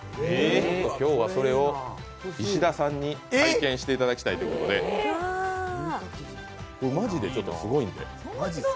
今日はそれを石田さんに体験していただきたいということで、マジですごいんで。